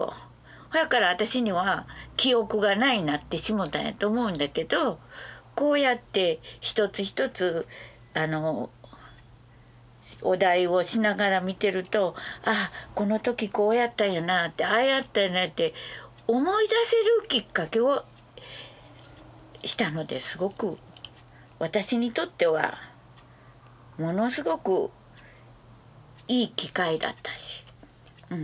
そやから私には「記憶がない」になってしもうたんやと思うんだけどこうやって一つ一つお題をしながら見てるとこのときこうやったんやなってああやったんやなって思い出せるきっかけをしたのですごく私にとってはものすごくいい機会だったし。